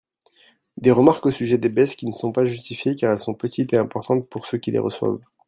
Des remarques au sujet des baisses qui ne sont pas justifiées car elles sont petites et importantes pour ceux qui les reçoivent.